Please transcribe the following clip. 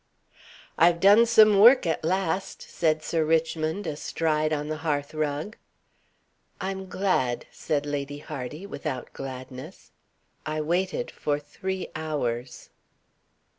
"I've done some work at last," said Sir Richmond, astride on the hearthrug. "I'm glad," said Lady Hardy, without gladness. "I waited for three hours."